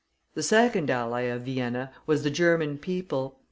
The second ally of Vienna was the German people.